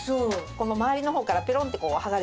この周りの方からペロンってこう剥がれてきて。